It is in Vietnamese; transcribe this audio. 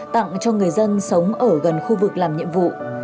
tặng cho người dân sống ở gần khu vực làm nhiệm vụ